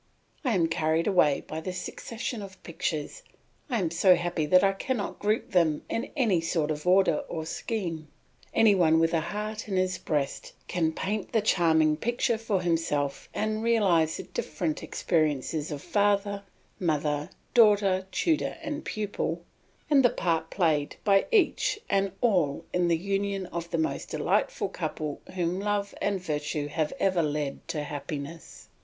I am carried away by this succession of pictures, I am so happy that I cannot group them in any sort of order or scheme; any one with a heart in his breast can paint the charming picture for himself and realise the different experiences of father, mother, daughter, tutor, and pupil, and the part played by each and all in the union of the most delightful couple whom love and virtue have ever led to happiness.